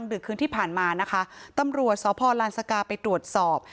ดึกคืนที่ผ่านมานะคะตำรวจสพลานสกาไปตรวจสอบ